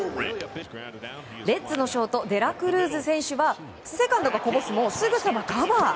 レッズのショートデラクルーズ選手は、セカンドがこぼすもすぐさまカバー！